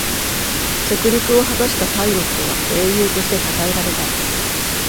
着陸を果たしたパイロットは英雄としてたたえられた